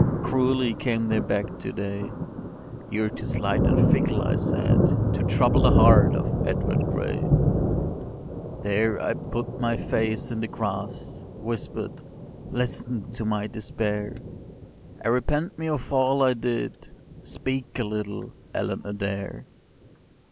Cruelly came they back to day: ‘You’re too slight and fickle,’ I said, ‘To trouble the heart of Edward Gray’. “There I put my face in the grass— Whisper’d, ‘Listen to my despair: I repent me of all I did: Speak a little, Ellen Adair!